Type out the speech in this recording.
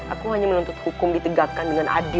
aku hanya menuntut hukum ditegakkan dengan adil